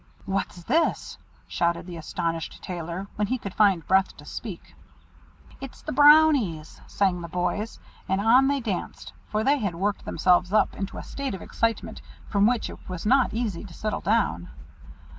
"What's this?" shouted the astonished Tailor, when he could find breath to speak. "It's the Brownies," sang the boys; and on they danced, for they had worked themselves up into a state of excitement from which it was not easy to settle down.